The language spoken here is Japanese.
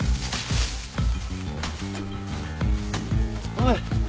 おい。